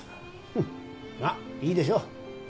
フッまっいいでしょう。